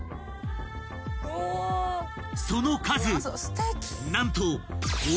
［その数何と］